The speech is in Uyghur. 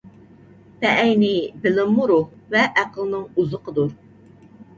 بەئەينى، بىلىممۇ روھ ۋە ئەقىلنىڭ ئوزۇقىدۇر.